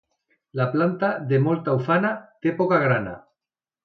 La planta de molta ufana té poca grana.